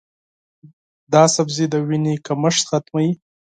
دا سبزی د وینې کمښت ختموي.